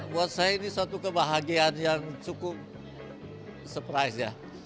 buat saya ini satu kebahagiaan yang cukup surprise ya